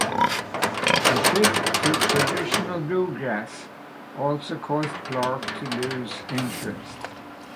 The shift to traditional bluegrass also caused Clark to lose interest.